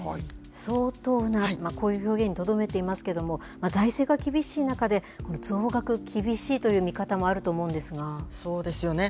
相当な、こういう表現にとどめていますけれども、財政が厳しい中でこの増額、厳しいという見方もあると思うんですそうですよね。